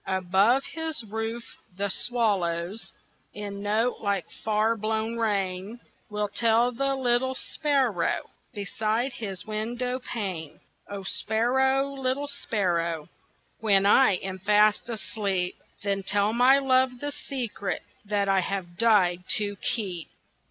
Above his roof the swallows, In notes like far blown rain, Will tell the little sparrow Beside his window pane. O sparrow, little sparrow, When I am fast asleep, Then tell my love the secret That I have died to keep.